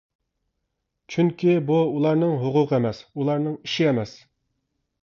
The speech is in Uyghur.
چۈنكى بۇ ئۇلارنىڭ ھوقۇقى ئەمەس، ئۇلارنىڭ ئىشى ئەمەس.